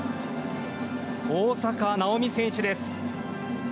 大坂なおみ選手です。